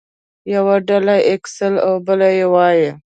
يوه ډله ايکس او بله وايي.